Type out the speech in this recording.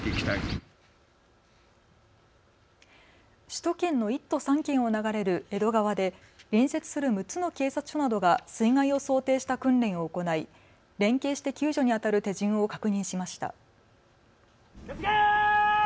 首都圏の１都３県を流れる江戸川で隣接する６つの警察署などが水害を想定した訓練を行い連携して救助にあたる手順を確認しました。